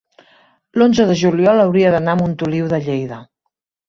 l'onze de juliol hauria d'anar a Montoliu de Lleida.